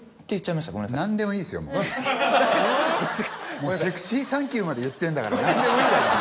もう「セクシーサンキュー」まで言ってんだから何でもいいだろ。